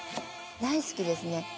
大好きですね。